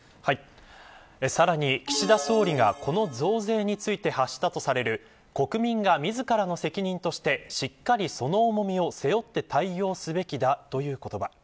さらに岸田総理がこの増税について発したとされる国民が自らの責任としてしっかり、その重みを背負って対応すべきだという言葉。